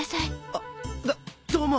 あっどどうも。